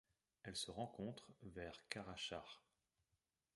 Elle se rencontre vers Karachahr.